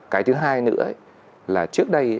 cái thứ hai nữa là trước đây